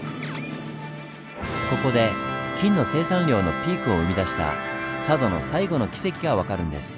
ここで金の生産量のピークを生み出した佐渡の「最後のキセキ」が分かるんです。